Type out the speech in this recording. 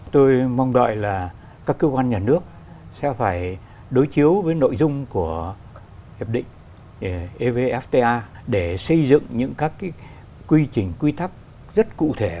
tôi mong đợi là các cơ quan nhà nước sẽ phải đối chiếu với nội dung của hiệp định evfta để xây dựng những các quy trình quy thắc rất cụ thể